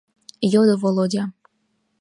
— йодо Володя.